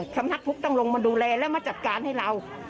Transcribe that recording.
สำนักทุกข์ต้องลงมาดูแลแล้วมาจัดการให้เรา